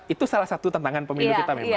itu salah satu tentangan pemilu kita memang